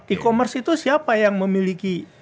e commerce itu siapa yang memiliki